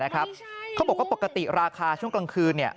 เขาบอกว่าปกติราคาช่วงกลางคืน